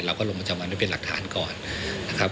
เราก็ลงมาจำเป็นหลักฐานก่อนนะครับ